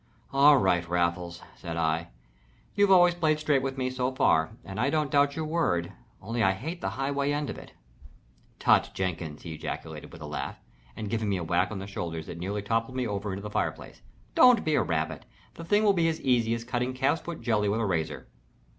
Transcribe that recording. "All right, Raffles," said I. "You've always played straight with me, so far, and I don't doubt your word only I hate the highway end of it." "Tutt, Jenkins!" he ejaculated, with a laugh and giving me a whack on the shoulders that nearly toppled me over into the fire place. "Don't be a rabbit. The thing will be as easy as cutting calve's foot jelly with a razor."